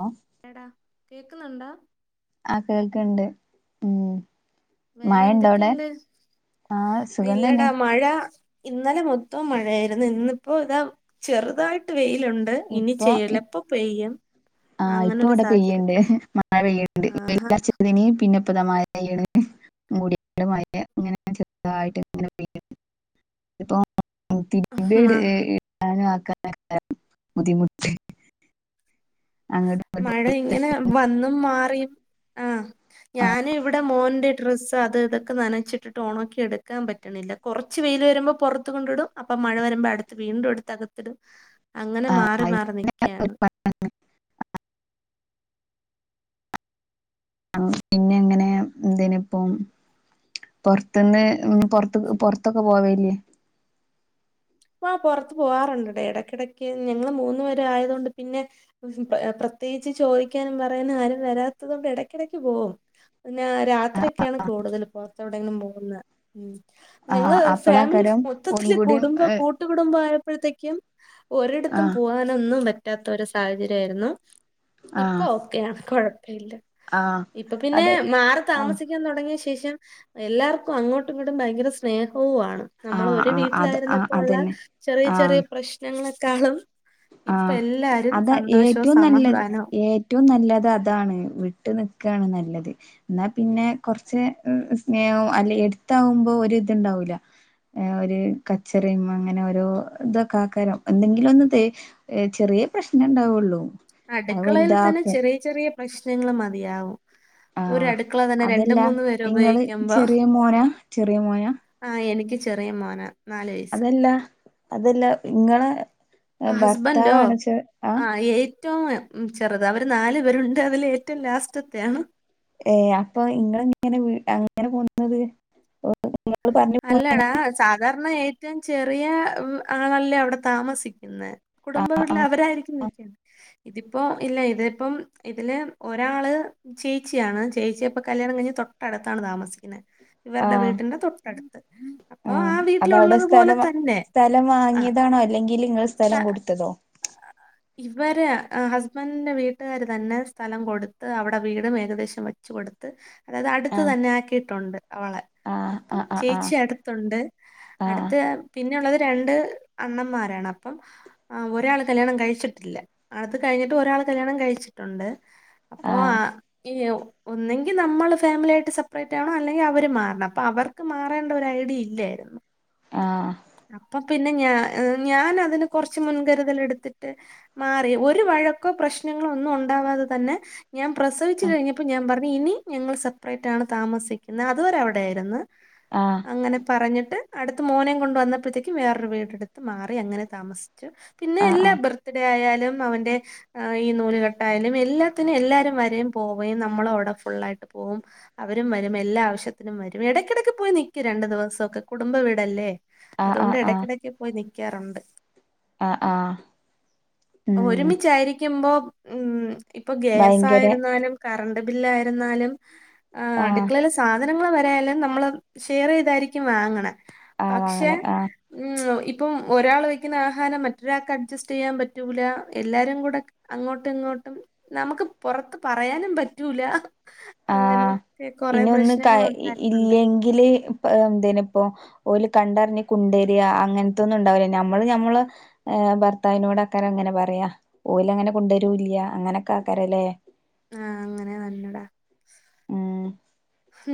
Law എടാ കേക്ക്‌ന്ന്ണ്ടോ? ആഹ് കേൾക്ക്‌ണ്ട് ഉം. വേറെ മഴണ്ടോ അവിടെ എന്തൊക്കെണ്ട് ആ സുഖം തന്നെ ഇല്ലടാ മഴ. ഇന്നലെ മൊത്തം മഴയായിരുന്നു ഇന്നിപ്പോ ഇതാ ചെറുതായിട്ട് വെയിലുണ്ട്. ഇനി ചെലപ്പൊ പെയ്യും. ആഹ് അങ്ങനെ ഇപ്പൊ ഒരു ഇവടെ പെയ്യ്ണ്ട് സാഹചര്യത്തില് മഴ പെയ്യ്ണ്ട് ആഹാ വയിലർച്ചതിന് പിന്നെപ്പത മഴ. പെയ്യ്ണ് മൂടി മയ ഇങ്ങനെ ചെർതായിട്ട് ഇങ്ങനെ പെയ്യ് ഇതിപ്പോ തിര്മ്പി ഇട് മ ഇടാനക്കാരം ബുദ്ധിമുട്ട്. അങ്ങട്ടും ഇങ്ങട്ടും. മഴ ഇങ്ങനെ വന്നും മാറിം ആഹ്. ആ ഞാന് ഇവടെ മോന്റെ ഡ്രസ്സ് അത് ഇതൊക്കെ നനച്ചിട്ടിട്ട് ഒണക്കി എടുക്കാ പറ്റ്ണില്ല. കൊറച്ച് വെയില് വരുമ്പൊ പൊറത്ത് കൊണ്ടിടും അപ്പം മഴ വരുമ്പൊ അടുത്ത് വീണ്ടു എടുത്ത് അകത്തിടും. [inaudible] അങ്ങനെ മാറി ആ മാറി നിക്കയാണ്. [unintelligible] പിന്നെ എങ്ങനേ ഇതിനിപ്പം. പൊറത്ത്ന്ന് പൊറത്ത് പൊറത്തൊക്കെ പോവല്ലേ? ഇപ്പൊ പൊറത്ത് പോവാറുണ്ട്ട്ടോ എടക്കെടക്ക് ഞങ്ങള് മൂന്നു പേരായോണ്ട് പിന്നെ. പ്രത്യേയിച്ച് ചോയിക്കാനും പറയാനും ആരും വരാത്തതോണ്ട് എടക്കടക്ക് പോവും. ന്നാ രാത്രിയൊക്ക്യാണ് കൂടുതല് പൊറത്തെവ്ടെങ്കിലും പോവുന്നേ ഉം. ആ ഞങ്ങള് ഫാമിലി അപ്പളാക്കാരം ഒന്നും മൊത്തത്തില് കൂടി കുടുംബം. ഏ, ട്ടു കുടുംമ്പായപ്പൊഴത്തേക്കും ആ ഒരട്ത്തും പോവാ നൊന്നും പറ്റാത്ത ഒരു സാഹചര്യയിരുന്നു ആ ഇപ്പൊ ഓക്കെയാണ് കൊഴപ്പ ഇല്ല. ആ ഇപ്പൊ പിന്നെ അതെ മാറി ആ താമസിക്കാൻ തൊടങ്ങിയ ശേഷം എല്ലാർക്കും അങ്ങോട്ടും ഇങ്ങോട്ടും ഭയങ്കര സ്നേഹവു ആണ് ആഹ് നമ്മളൊരു ആഹ് അത് വീട്ടിലായിരുന്ന ആഹ് പ്പോള്ള അതന്നെ ചെറിയ ആഹ് ചെറിയ പ്രശ്നങ്ങളെക്കാളും. ഇപ്പൊ ആഹ് എല്ലാരും സന്തോഷവും സമാധാനൊം. റ്റവും നല്ലത് അതാണ് വിട്ട് നിക്കാണ് നല്ലത്. ഇന്നാ പിന്നെ കൊറ്ച്ച് സ്നേഹവും അല്ല എട്ത്താവുമ്പൊ ഒര് ഇത്ണ്ടാവൂല. ഒരു കച്ചറിം അങ്ങനെ ഓരോ ഇതൊക്ക ആക്കാരം എന്തെങ്കിലും ഒന്ന് തേ ഏഹ് ചെറിയ പ്രശ്നെ ഇണ്ടാവൊള്ളു. അടുക്കളയില് തന്നെ ചെറിയ ചെറിയ പ്രശ്നങ്ങള് മതിയാവും. ആഹ് ഒരടുക്കള തന്നെ രണ്ട് അതല്ല മൂന്ന് പേര് ഇങ്ങള് ഉപയോകിക്കുമ്പൊ. ചെറിയ മോനാ ചെറിയ മോനാ ആഹ് എനിക്ക് ചെറിയ മോന. അതല്ല അതല്ല ഇങ്ങള ഹസ്ബൻഡോ ഭർത്താവാണ്ച്ച ആ ആഹ്. ഏറ്റവും ചെറുത് അവര് നാല് പേരുണ്ട് അതില് ഏറ്റവും ലാസ്റ്റ്ത്ത്യാണ്. ഏഹ് അപ്പൊ ഇങ്ങള് ഇങ്ങനെ വീ അങ്ങനെ പോന്നത് ഇങ്ങള് പറഞ്ഞു അല്ലടാ സാധാര്ണ ഏറ്റവും ചെറിയ ആളല്ലേ അവ്ടെ താമസിക്ക്ന്നെ. കുടുംബ വീട്ടില് അവരായിരിക്കും നിക്കേണ്ട്. ഇതിപ്പോ ഇല്ല ഇതിപ്പം ഇതില് ഒരാള്. ചേച്ചിയാണ് ചേച്ചി ഇപ്പൊ കല്യാണം കഴിഞ് തൊട്ടട്ത്താണ് താമസിക്ക്ന്നെ ഇവര്ടെ ആഹ് വീട്ടിന്റെ തൊ ട്ടടുത്ത്. ആഹ് അതവ്ടെ സ്ഥലം വ സ്ഥലം ആ വാങ്ങ്യതാണൊ അല്ലെങ്കില് ഇങ്ങള് സ്ഥലം സ്ഥ- കൊട്ത്തതൊ? [inaudible] ഇവര് ഹസ്ബന്റെ വീട്ടുകാര് തന്നെ സ്ഥലം കൊടുത്ത് അവടെ വീടും ഏകദേശം വ ച്ച് കൊടുത്ത് അതായത് അടുത്ത് ആഹ് തന്നെ ആക്കിയിട്ടുണ്ട് അവളെ. ആഹ് പ്പം ആഹ് ആഹ് ചേച്ചി അടുത്തുണ്ട് അടുത്ത് പിന്നെ ഉള്ളത് രണ്ട് അണ്ണ മ്മാരാണ് അപ്പം ആഹ് ഒരാള് കല്യാണം കഴിച്ചിട്ടില്ല അത് കഴിഞ്ഞിട്ട് ഒരാള് കല്യാണം കഴിച്ചിട്ടുണ്ട് അപ്പോ ആഹ് യ്യ ഒന്നെങ്കി നമ്മള് ഫാമിലി ആയിട്ട് സെപ്പറേറ്റ് ആവണം അല്ലെങ്കിൽ അവര് മാറണം അപ്പൊ അവർ ർക്ക് മാറേണ്ട ഒരു ഐഡി ഇല്ലായിരുന്നു ആഹ് അപ്പൊ പിന്നെ ഞാ ഞാൻ അതിന് കൊറച്ച് മുൻകരുതലെടുത്തിട്ട് മാറി ഒരു വഴക്കോ പ്രശ്നങ്ങളോ ഒന്നും ഉണ്ടാവാതെ തന്നെ ഞാൻ പ്രസവിച്ചു കഴിഞ്ഞപ്പോ ഞാൻ പറഞ്ഞു ഇനി ഞങ്ങൾ സെപ്പറേറ്റ് ആണ് താമസിക്ക്ന്നേ അതുവരെ അവിടെയായിര്ന്ന് ആഹ് അങ്ങനെ പറഞ്ഞിട്ട് അടുത്ത് മോനേയും കൊണ്ട് വന്നപ്പഴത്തേക്കും വേറൊരു വീടെടുത്ത് മാറി അങ്ങനെ താമസിച്ചു. പിന്നെ ആഹ് ആഹ് എല്ലാ ആഹ് ബർത്ത്ഡേ ആയാലും അവന്റെ ആഹ് ഈ നൂലുകെട്ടായാലും എല്ലാത്തിനും എല്ലാരും വരേം പോവേം നമ്മളവിടെ ഫുള്ളായിട്ട് പോവും അവരും വരും എല്ലാ ആവശ്യത്തിനും വരും ഇടയ്ക്കിടക്ക് പോയി നിക്കും രണ്ടു ദിവസൊക്കെ കുടുംബ വീടല്ലേ ആഹ് ആഹ് ആഹ് അതുകൊണ്ട് ആഹ് ആഹ് ഇടക്കിടക്ക് പോയി നിക്കാറുണ്ട് ആഹ് ആഹ് ഉം ഒരുമിച്ചായിരിക്കുമ്പോ ഉം ഇപ്പൊ ഭയങ്കര ഗേസായിരുന്നാലും കറണ്ട് ബില്ലായിരുന്നാലും ആഹ് അടുക്കളയില സാധനങ്ങള് വരെയല്ലാം നമ്മള് ഷെയർ ചെയ്തായിരിക്കും വാങ്ങണെ ആഹ് പക്ഷെ വാങ്ങണേ ആഹ് ഉം ഇപ്പം ഒരാൾ വെക്കുന്ന ആഹാരം മറ്റൊരാൾക്ക് അഡ്ജസ്റ്റ് ചെയ്യാൻ പറ്റൂല എല്ലാരും കൂടെ അങ്ങോട്ടും ഇങ്ങോട്ടും നമുക്ക് പൊറത്ത് പറയാനും പറ്റൂല ആഹ് അങ്ങനൊക്കെ കൊറെ പ്രശ്നങ്ങളുണ്ടായിട്ടുണ്ട് ഇതില് ഇപ്പ എന്തേനിപ്പോ ഓല് കണ്ടറിഞ്ഞി കുണ്ടരിയ അങ്ങനത്തൊന്നും ഉണ്ടാവില്ല നമ്മള് ഞമ്മള് ഭർത്താവിനോട് ആക്കാരം അങ്ങനെ പറയാ ഓല് അങ്ങനെ കൊണ്ടരൂല്ല അങ്ങനൊക്കെ ആക്കാരല്ലേ ആഹ് അങ്ങനെ തന്നടാ ആഹ്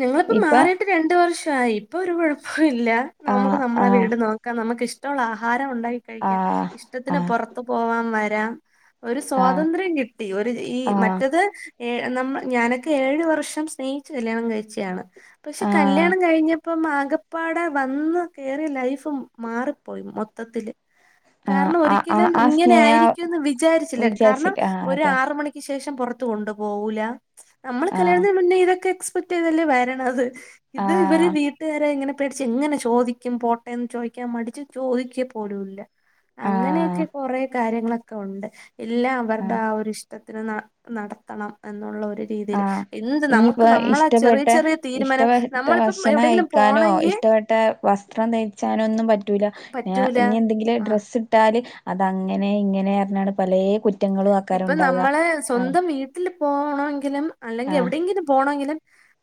ഞങ്ങളിപ്പോ മാറിയിട്ട് രണ്ട് വർഷായി ഇപ്പൊ ഒരു കൊഴപ്പോല്ല ആഹ് നമ്മക്ക് നമ്മളെ ആഹ് വീട് നോ ക്കാം നമ്മക്ക് ഇഷ്ട്ടോള്ള ആഹാരം ഉണ്ടാക്കി കഴിക്കാം ആഹ് ഇഷ്ടത്തിന് ആഹ് പുറത്തു പോവാം വരാം ഒരു ആഹ് സ്വാതന്ത്ര്യം കിട്ടി ഒരു ഈ ആഹ് മറ്റത് ഏഹ് നമ്മ ഞാനൊക്കെ ഏഴു വർഷം സ്നേഹിച്ചു കല്യാണം കഴിച്ചയാണ് പക്ഷെ ആഹ് കല്യാണം കഴിഞ്ഞ പ്പം ആകപ്പാടെ വന്ന് കേറിയ ലൈഫും മാറിപ്പോയി മൊത്തത്തില് ആഹ് കാരണം ആഹ് ആഹ് ഒരിക്കലും ആ ഇങ്ങനെ സ്നേഹ ആയിരിക്കുംന്ന് വിചാരിച്ചില്ല കാരണം വിചാരിച്ചിട്ട് ആഹ് ഒരു അതെ ആറ് മണിക് ക്ക് ശേഷം പൊറത്ത് കൊണ്ടു പോവൂല്ല നമ്മൾ ആഹ് കല്യാണത്തിന് മുന്നേ ഇതൊക്കെ എക്സ്പെക്ട് ചെയ്തല്ലേ വരണത് ഇത് ഇവര് ആഹ് വീട്ടുകാരെ ഇങ്ങനെ പേടിച്ച് എങ്ങനെ ചോദിക്കും പോട്ടേന്ന് ചോദിക്കാൻ മടിച്ചു ചോദിക്ക പോലും ഇല്ല ആഹ് അങ്ങനെയൊക്കെ കൊറെ കാര്യങ്ങളൊക്കെ ഉണ്ട് എല്ലാം ആഹ് അവരുടെ ആ ഒരിഷ് ടത്തിന് നടത്തണം എന്നുള്ള ഒരു രീതിയിൽ എന്ത് നമു ഇപ്പൊ ഇഷ്ടപ്പെട്ട ഇഷ്ടപ്പെട്ട നമ്മളിപ്പം ഭക്ഷണം എവിടെയെങ്കിലും കഴിക്കാനോ പോണെങ്കി ഇഷ്ടപ്പെട് ട്ട വസ്ത്രം ധരിച്ചാനൊന്നും പറ്റൂല പറ്റൂല ഇനി എന്തെങ്കിലും ആ ഡ്രസ്സ് ഇട്ടാല് അതങ്ങനെ ഇങ്ങനെർഞ്ഞാണ്ട് പലേ കുറ്റ് ഇപ്പം നമ്മളെ സ്വന്തം വീ വീട്ടിൽ പോണങ്കിലും അല്ലെങ്കിൽ ആഹ് എവിടെയെങ്കിലും പോണങ്കിലും.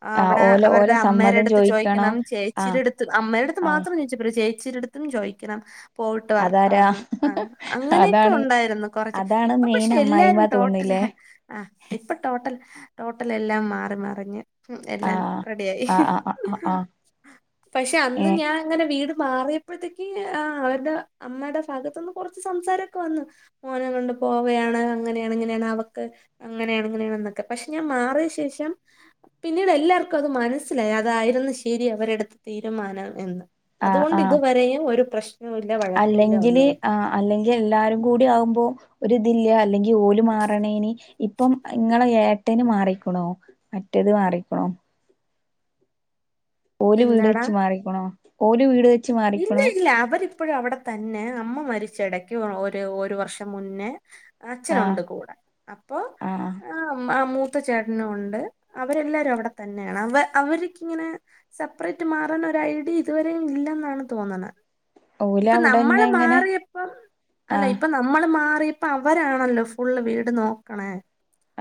ആ ആഹ് അവിടെ ഓലെ അവരുടെ ഓലെ അമ്മേടെ സമ്മതം അട്ത്ത് ചോദിക്കണോ ചോയ്ക്കണം. ചേച്ചിടെ ആഹ് അടുത്ത് അമ്മേയുടെഅടുത്ത് ആഹ് മാത്രം ചോദിച്ചാ പോരാ ചേച്ചി ചെച്ചിനട്ത്തും ചോയിക്കണം പോയിട്ട് അതാരാ വരട്ടാന്ന് ആ അങ്ങനെയൊക്കെ അതാണ് ഉണ്ടായിരുന്നു കൊറച്ച്. അതാണ് മെയിൻ പക്ഷെ അമ്മായിമ്മ എല്ലാരും ടോട്ടലാ തോന്നില്ലേ ആ ഇപ്പൊ ടോട്ടൽ ടോട്ടൽ എല്ലാം മാറി മറിഞ്ഞ്. ഉം എല്ലാം ആഹ് റെഡിയായി ആഹ് ആഹ് ആഹ് ആഹ് പക്ഷെ അന്ന് ഏഹ് ഞാൻ അങ്ങനെ വീട് മാറിയപ്പോഴത്തേക്ക് ആ അവരുടെ അമ്മയുടെ ഭഗത്ത് നിന്ന് കുറച്ച് സംസാരൊക്കെ വന്നു. മോനെ കൊണ്ട്. പോവയാണ് അങ്ങനെയണ് ഇങ്ങനെയാണ് അവക്ക് അങ്ങനെയണ്. ഇങ്ങനെയാണന്നൊക്കെ പക്ഷെ ഞാൻ മാറിയ ശേഷം. പിന്നീട് എല്ലാർക്കും അത് മനസ്സിലായി. അതായിരുന്നു ശരി അവര്എടുത്ത തീരുമാനം എന്ന്. ആഹ് അതുകൊണ്ട് ആഹ് ഇതുവരെയും ഒരു പ്രശ്നൂല്ല. വഴക്കുല്ല ഒന്നുല്ല. അല്ലെങ്കിൽ എല്ലാരും കൂടി ആകുമ്പോൾ ഒരിതില് അല്ലെങ്കിൽ ഓലു മാറണേന് ഇപ്പം ഇങ്ങളെ ഏട്ടേന് മാറിക്കണോ? മറ്റേത് മാറിക്കണോ? ഓ വീട് എന്താടാ വെച്ച് മാറിക്കണോ ഓ വീട് വെച്ച മാ ഇല്ല ഇല്ല അവര് ഇപ്പോഴും അവിടെ തന്നെ അമ്മ മരിച്ചിടക്ക് ഒരു വർഷം മുന്നേ ആഹ് അച്ഛനുണ്ട് കൂടെ ആ ആഹ് ആ ആ മൂത്ത ചേട്ടനും ഉണ്ട്. അവരെല്ലാരും അവിടെ തന്നെയാണ്. അവ അവർക്കിങ്ങനെ സെപ്പറേറ്റ് മാറാൻ ഒരു ഐഡിയ ഇതുവരെയ ഇല്ലെന്നാണ് തോന്നുന്നത്. ഓല് ഇപ്പൊ അവിടെന്നെ നമ്മള് ഇങ്ങനെ മാറിയപ്പം അല്ല ആഹ് ഇപ്പ നമ്മ നമ്മൾ മാറിയപ്പോ അവരാണല്ലോ ഫുള്ള് വീട് നോക്കണേ.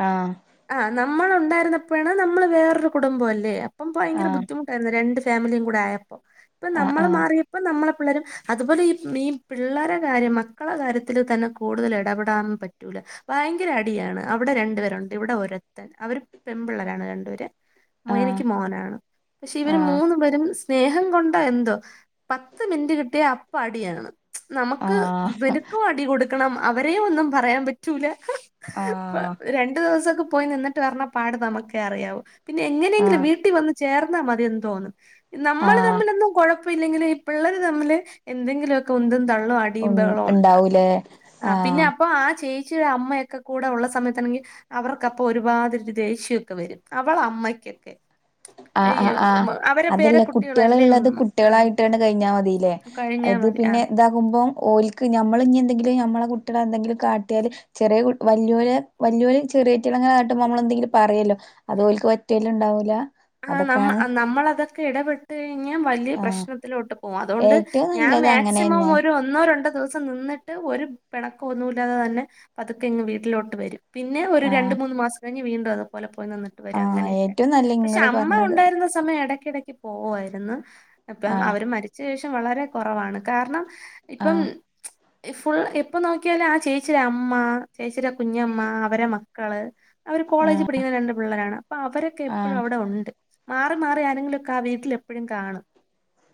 ആഹ് ആ് നമ്മള് ഉണ്ടായിരുന്ന പ്പോഴാണ് നമ്മള് വേറൊരു കുടുംബം അല്ലേ അപ്പം ഭയങ്കര ആഹ് ബുദ്ധിമുട്ട് ഒന്ന്, രണ്ട് ഫാമിലിയും കൂടെ ആയപ്പോ ഇപ്പ നമ്മള് മാ ആഹ് ഇപ്പം നമ്മളെ പിള്ളരും അതുപോലെ ഈ ഈ പിള്ളേരെ കാര്യം മക്കളെ കാര്യത്തിൽ തന്നെ കൂടുതൽ ഇടപെടാൻ പറ്റൂല ഭയങ്കര അടിയാണ് അവിടെ രണ്ടു പേരുണ്ട് ഇവിടെ ഒരത്ത അവര് പെൺപിള്ളരാണ് രണ്ടൂര്. ആഹ് മോയനക്ക് മോനാണ് പക്ഷെ ഇവര് ആഹ് മൂന്നു പേരും സ്നേഹം കൊണ്ടെ എന്തോ. പത്ത് മിനിറ്റ് കിട്ടിയ അപ്പം അടിയാണ്. നമുക്ക് ആഹ് ഇവര് അടി കൊടുക്കണം അവരെയ ഒന്നും പറയാൻ പറ്റ റ്റുല ആഹ് ആഹ് രണ്ടു ദിവസൊക്കെ പോയി നിന്നിട്ട് വരണ പാട് നമുക്കെ അറിയാളു പിന്നെ എങ്ങനെയെങ്കിലും ആഹ് വീട്ടിൽ വന്ന് ചേർന്നാൽ മതി എന്തോന്നന്ന് നമ്മള് ആഹ് തമ്മിൽൊന്നും കുഴപ്പമ ഇില്ലെങ്കിൽ പിള്ളേര് തമ്മില് എന്തെങ്കിലുമൊക്കെ ഉന്തും തള്ളും ഉം അടിയ്പകളോ ഉണ്ടാക്കും. ഇണ്ടാവൂലേ ആ പിന്നെ ആഹ് അപ്പൊ ആ ചേച്ചിയ അമ്മയൊക്കെ കൂടെ ഉള്ള സമയത്തണെങ്കിൽ. അവർക്ക് അപ്പൊ ഒരുപാട് ദേഷ്യംഒക്കെ വരും അവൾ അമ്മയ്ക്കൊക്കെ ആ് ആ അയ്യോ ആഹ് അവരെ അതല്ല പേരക്കുട്ടികളല്ലേ കുട്ടികളള്ളത് ആ കുട്ടികളായിട്ട്ണ് കഴിഞ്ഞാൽമതീ. ല്ലേ കഴിഞ്ഞാ അത് മതി ആ പിന്നെ ഇത പോകുമ്പോ ഓലക്ക് നമ്മള് ഇനി എന്തെങ്കിലും നമ്മളെ കുട്ടിളെ എന്തെങ്കിലും കാട്ടിയാല്. ചെറിയ വല്യര് വല് യ ചെറിയറ്റിടങ്ങായിട്ട നമ്മള എന്തെങ്കിലും പറയല്ലോ ഒപ്പം ഓല്ക്ക് പറ്റല് ഉണ്ടാവൂല. ആ അതൊക്കെയാണ് നമ്മള് നമ്മള്അതൊക്കെ ഇടപെട്ട് കഴിഞ്ഞാൽ വലിയ ആഹ് പ്രശ്നത്തിലോട്ട്. ഓ അതുകൊണ്ട് ഏറ്റവും ഞാൻ നല്ലത് മാക്സിമം അങ്ങനെന്നെ ഒരു ഒന്നോ രണ്ടോ ദിവസം നിന്നിട്ട് ഒരു പിണക്കം ഒന്നുമല്ലാതെ തന്നെ പതുക്കെ ഇങ് വീട്ടിലോട്ട് വരും. പിന്നെ ഒരു രണ്ട് ആഹ് മൂന്ന് മാസം കഴിഞ്ഞ് വീണ്ടും അതുപോലെ പോയി നിന്നിട്ട് വരും. ആഹ് അങ്ങനെയൊക്കെ. ഏറ്റവും നല്ല പക്ഷെ ഇങ്ങള് അമ്മ പറഞ്ഞത് ഉണ്ടായിരുന്ന സമയം ഇടക്കിടക്ക് പോകുമായിരുന്നു. ഇപ്പ ആഹ് അവര് മരി ച്ച ശേഷം വളരെ കുറവാണ്. കാരണം ഇപ്പം ആഹ് ഫുൾ എപ്പൊ നോക്കിയാലും ആഹ് ചേച്ചിടെ അമ്മ ചേച്ചിയുടെ കുഞ്ഞമ്മ അവരെ മക്കള് അവര് കോളേജി ആഹ് പഠിക്കുന്ന രണ്ട് പിള്ളേരാണ്. അപ്പൊ അവരൊക്കെ എപ്പോളും ആഹ് അവിടെ ഉണ്ട്. മാറി മാറി ആരെങ്കിലുംക്കെ ആഹ് വീട്ടിൽ എപ്പോഴും കാണും.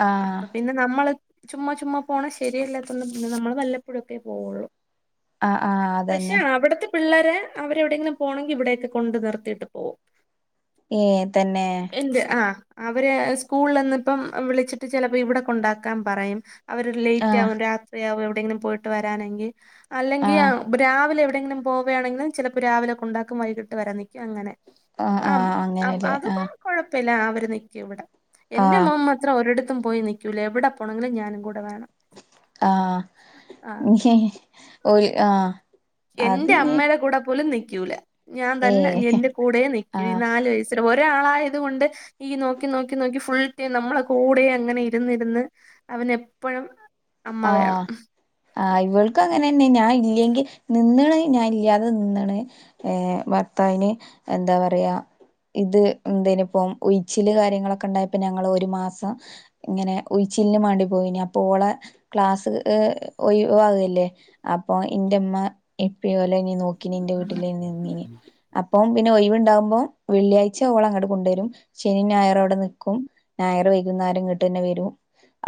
ആഹ് അപ്പൊ പിന്നെ നമ്മള് ചുമ്മാ ചുമ്മാ പോണ ശരിയല്ലാത്തൊണ്ട് നമ്മള് വല്ലപ്പോഴൊക്കെ പോവുള്ളൂ. ആഹ് ആഹ് പക്ഷെ അതന്നെ അവിടത്തെ പിള്ളേരെ അവരെ എവിടെയെങ്കിലും പോണെങ്കിൽ ഇവിടെയൊക്കെ കൊണ്ടു നിർത്തിട്ട് പോകും. ഏഹ് തന്നെ. എന്ത് ആഹ് അവര് സ്കൂളിൽ നിന്ന് ഇപ്പം വിളിച്ചിട്ട് ചിലപ്പോ ഇവിടെ കൊണ്ടാക്കാൻ പറയും. അവര് ലേറ്റ് ആഹ് ആകും. രാത്രിയാവും എവിടെെങ്കിലും പോയിട്ട് വരാനെങ്കി അല്ലെങ്കി ആഹ് രാവിലെ എവിടെയെങ്കിലും പോവണെങ്കില് ചിലപ്പോ രാവിലെ കൊണ്ടാക്കും. വൈകിട്ട് വരാനിൽക്കും. അങ്ങനെ ആഹ് അപ് ആഹ് അത് കുഴപ്പല്ല. അവര് നിക്യും ഇവടെ. എന്റെ ആഹ് മൊ ത്രം ഒരിടത്തും പോയി നിക്കൂല. എവിടെ പോണമെങ്കിലും ഞാനും കൂടെ വേണം. ആഹ് ആ ഹി ഹി ഓൽ ആഹ് അത് എന്റെ നീ അമ്മേടെ കൂടെ പോലും നിക്യൂല. ഞാൻ തന്നെ. ഏഹ് എന്റെ കൂടെ നിക്യൂ. ആ ഈ നാല് വയസ്.. ശെരി ഒരാളായത് കൊണ്ട്.. ഈ നോക്കി നോക്കി നോക്കി ഫുൾ ടെം. നമ്മളെ കൂടെയങ്ങനെ. ഇര് ന്ന് ര് ന്ന്.. അവനെപ്പൊഴും അമ്മ ആഹ് വേണം.. ആഹ് ഇവൾക് അങ്ങനെന്നെ. ഞാഇല്ലെങ്കി നിന്ന്ണെ ഞാ ഇല്ല്യതെ നിന്ന്ണ്.. ഏഹ്. ഭർത്താവിന് എന്താ പറയാ.. ഇത് എന്തേനിപ്പൊ. ഉയിച്ചില് കാര്യങ്ങളൊക്കെണ്ടായപ്പോ ഞങ്ങളൊരു മാസം ഇങ്ങനെ ഉയിച്ചിലിന് മാണ്ടി പോയീനി. അപ്പൊ ഓളെ.. ക്ലാസ് ഏഹ് ഒയിവാവ് ല്ലേ. അപ്പൊ ന്റെ മ്മ ഇപ്പി ഓലെനി നോക് ക്കിനി ന്റെ വീട്ടിലെ നിന്നിനി. അപ്പോ പിന്നെ ഒഴിവ്ണ്ടാവുമ്പോ വെള്ളിയാഴ്ച ഓള ങ്ങട്ട് കൊണ്ടരും. ശനി ഞായറു അവടെ നിക്കും. ഞായർ വൈകുന്നേരം ങ്ങട്ടെന്നെ വെരു.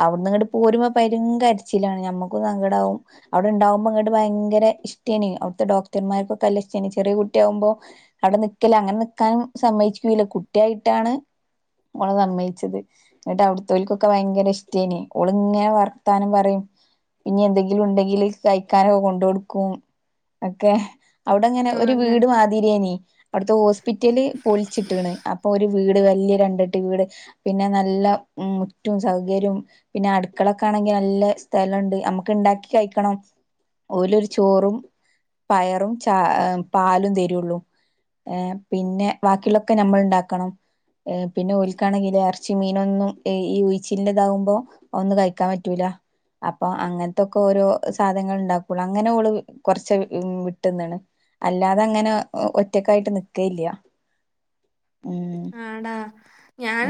അവ്ട്ന്ന്ങ്ങട്ട് പോരുമ്പ പ രുംകര്ച്ചിലാണ്. ഞമ്മകും സങ്കടാവും.. അവടെണ്ടാവുമ്പോ ങ്ങട്ട് ഭയങ്കെരെ ഇഷ്ട്ടെനി. അവ്ട്ത്തെ ഡോക്ടർമാർക്കൊ നല്ല ഇഷ്ടാന്ന്. ചെറിയെ കുട്ടിയാവുബോ അവടെ നിക്ക് ല്ലേ. അങ്ങനെ നിക്കാനും സമ്മയിക്യുല. കുട്യായിട്ടാണ് ഓളെ സമ്മയിച്ചത്. ന്നട്ട് അവുടുത്തോൽക്കൊക്കെ വയങ്കര ഇഷ്ടേന്. ഓള്ങ്ങനെ വർ ത്താനം പറയും. പിന്നി എന്തെങ്കിലു ണ്ടെങ്കില് കഴിക്കാനൊക്കെ കൊണ്ടൊടുക്കും.. ഒക്കെ. അവ്ടെങ്ങനെ ഒരു അങ്ങനെ വീട് മാ തിരിയെനി. അവട്ത്തെ ഹോസ്പിറ്റല് പൊൽച്ചിട്ട്ണ്. അപ്പൊ ഒര് വീട്. വല്ല്യ രണ്ടട്ടി വീട്.. പിന്നെ നല്ല മുറ്റും. സൗകര്യം. പിന്നെ അട്ക്കളക് ക്കണെങ്കി നല്ല സ്ഥലണ്ട്. നമക്ക്ണ്ടാക്കി കഴിക്കണം. ഓലൊരു ചോറും.. പയറും ച, പാലും തെരുള്ളു.. ഏഹ്. പിന്നെ വാക്കിള്ളോക്കെ ഞമ്മള്ണ്ടാക്കണം.. പിന്നെ ഓൽക്കാണെങ്കില് എറച്ചി മീനൊന്നും. ഈ ഉഴിച്ചിൽന്റെതാവുമ്പോ. ഒന്ന് കയ് ക്കാപറ്റൂല.. അപ്പൊ അങ്ങൻത്തൊക്കെ ഓരോ സാധങ്ങൾ ണ്ടാക്കുള്ളൂ. അങ്ങനെ ഓള് കൊറചെ വിട്ട്ന്ന്ണ്.. അല്ലാതങ്ങനെ ഒ ഒറ്റക്കായിട്ട് നിക്കല്ല്യ. ആണോ.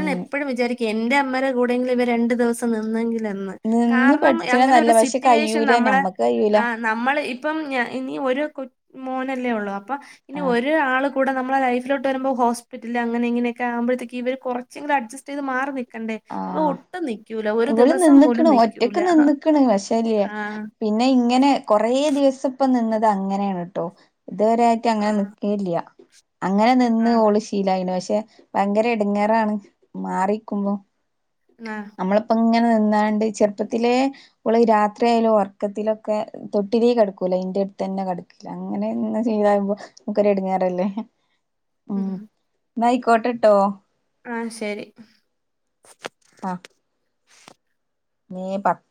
ഉം വിചാരിക്കു എന്റെ അമ്മരെ കൂടെങ്കിലും. ഇവരണ്ടു ദിവസം നിന്നെങ്കിലെന്ന്.. നിന്ന് കാറണം. പഠിച്ചണ നല്ല അങ്ങനൊരു പക്ഷെ സിറ്റുവേഷൻ കയ്യൂല നമ്മളെ. ഞമ്മക്ക് കയ്യൂല ആഹ്. നമ്മള് ഇപ്പം ഞ നി ഒരു ക മോനല്ലേ ഒള്ളൂ. അപ്പനി ആഹ് ഒര് ആൾ.. കൂടെ നമ്മളെ ലൈഫിലോട്ട് വരുമ്പോ ഹോസ്പിറ്റല് അങ്ങനെ ഇങ്ങനെക്കെ ആവുമ്പഴത്തേക് ഇവര് കൊർചെങ്കിലും അട്ജെസ്റ്റെയ്ത് മാറി നിക് ക്കണ്ടേ ഇവ ആഹ് ഒട്ടും നിക്യുല ഒരു ഇവള് ദിവസം പോലും നിന്ന്ക്ക്ണ് ഒറ്റക്ക് നിക്യുല നിന്ന്ക്ക്ണ് പക്ഷേല്ലേ ആഹ് പിന്നെ ഇങ്ങനെ കൊറേ ദിവസപ്പ നിന്നത് അങ്ങനേണ് ട്ടോ ഇത് വരെ കഅങ്ങനെ ആ നിക്കല്യ അങ്ങനെ നിന്ന് ആടാ ഓള് ശീലായിണ് പക്ഷേ ഭയങ്കര എടങ്ങെറാണ് മാറിക്കുമ്പോ ന്നാ നമ്മള്പ്പ ഇങ്ങനെ നിന്നാണ്ട് ചെർപ്പത്തിലെ ഓള് രാത്രി ആയാലും ഒറക്കത്തിലൊക്കെ തൊട്ടിലീക്കെടക്കൂല ഇന്റെട് തന്നെ കെട്ക്ക അങ്ങനെ ഇന്ന് ശീലായിബോ ക്കൊരു എടങ്ങേറല്ലേ ഉം [unintelligible] ന്നാ അയ്ക്കോട്ടട്ടോ ആഹ് ശരി അഹ് നീ പ്പ